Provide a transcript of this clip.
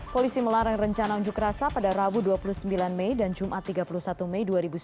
polisi melarang rencana unjuk rasa pada rabu dua puluh sembilan mei dan jumat tiga puluh satu mei dua ribu sembilan belas